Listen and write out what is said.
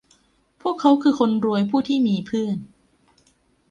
พวกเขาคือคนรวยผู้ที่มีเพื่อน